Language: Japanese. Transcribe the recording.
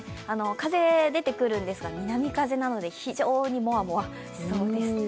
風出てくるんですが南風なので非常に、もわもわしそうです。